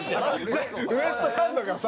ウエストランドがさ